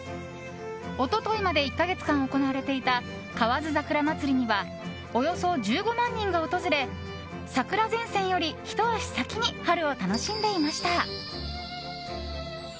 一昨日まで１か月間行われていた河津桜まつりにはおよそ１５万人が訪れ桜前線より、ひと足先に春を楽しんでいました。